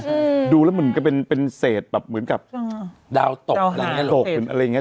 ใช่ดูแล้วมันก็เป็นเป็นเศษแบบเหมือนกับดาวตกหลังโลกเหมือนอะไรอย่างเงี้ย